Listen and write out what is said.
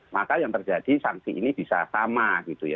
maka yang terjadi sanksi ini bisa sama gitu ya